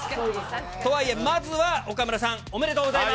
とはいえ、まずは岡村さん、おめでとうございます。